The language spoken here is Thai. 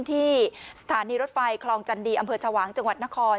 ที่สถานีรถไฟคลองจันดีอำเภอชวางจังหวัดนคร